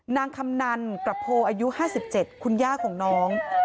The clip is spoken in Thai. นางคำนันกระโพอายุ๕๗คุณย่าของน้อง